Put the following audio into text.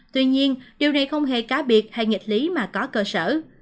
tuy nhiên điều này không hề cá biệt hay nghịch lý mà có cơ sở